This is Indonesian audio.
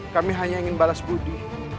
kami hanya ingin balas budi